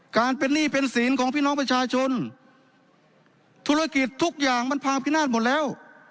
การเป็นหนี้เป็นศีลของพี่น้องประชาชนธุรกิจทุกอย่างมันพาพินาศหมดแล้ว